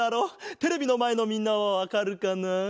テレビのまえのみんなはわかるかな？